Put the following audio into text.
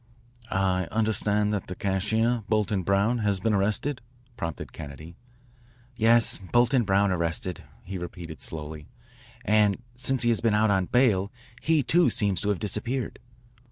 "I understand that the cashier, Bolton Brown, has been arrested," prompted Kennedy. "Yes, Bolton Brown, arrested," he repeated slowly, "and since he has been out on bail he, too, seems to have disappeared.